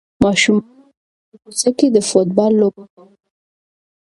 ماشومانو په کوڅه کې د فوټبال لوبه کوله.